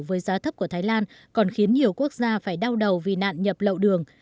với giá thấp của thái lan còn khiến nhiều quốc gia phải đau đầu vì nạn nhập lậu đường